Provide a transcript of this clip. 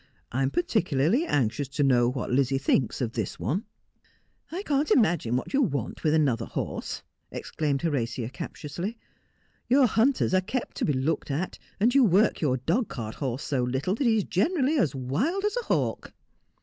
' I am particularly anxious to know what Lizzie thinks of this one.' ' I can't imagine what you want with another horse,' ex claimed Horatia captiously. ' Your hunters are kept to be looked at, and you work your dog cart horse so little that he is generally as wild as a hawk.'